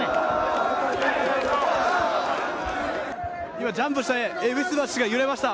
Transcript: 今、ジャンプして、戎橋が揺れました。